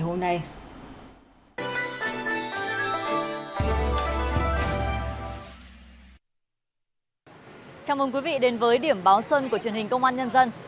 chào mừng quý vị đến với điểm báo xuân của truyền hình công an nhân dân